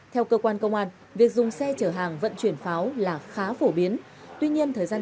theo cơ quan công an việc dùng xe chở hàng vận chuyển pháo là khá phổ biến tuy nhiên thời gian